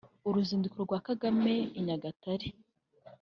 Uruzinduko rwa Kagame i Nyagatare